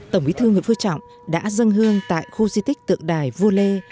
tổng bí thư nguyễn phú trọng đã dân hương tại khu di tích tượng đài vua lê